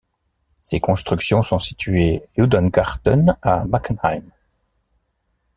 Ces constructions sont situées judengarten à Mackenheim.